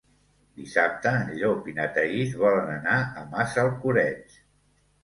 Dissabte en Llop i na Thaís volen anar a Massalcoreig.